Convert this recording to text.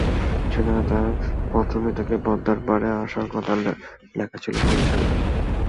সেখানে তাঁর পত্রমিতাকে পদ্মার পাড়ে আসার কথা লেখা ছিল হলুদ শাড়ি পরে।